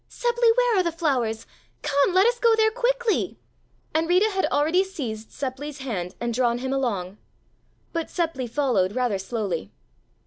Seppli, where are the flowers? Come, let us go there quickly!" and Rita had already seized Seppli's hand and drawn him along. But Seppli followed rather slowly.